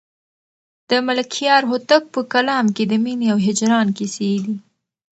د ملکیار هوتک په کلام کې د مینې او هجران کیسې دي.